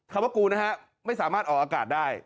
ว่ากูนะฮะไม่สามารถออกอากาศได้